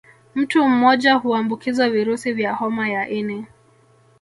Mtu mmoja huambukizwa virusi vya homa ya ini